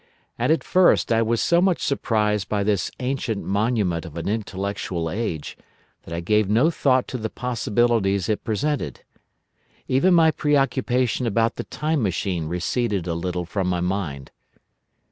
"And at first I was so much surprised by this ancient monument of an intellectual age that I gave no thought to the possibilities it presented. Even my preoccupation about the Time Machine receded a little from my mind.